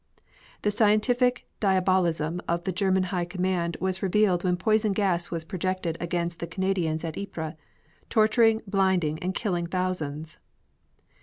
The scientific diabolism of the German High Command was revealed when poison gas was projected against the Canadians at Ypres, torturing, blinding and killing thousands.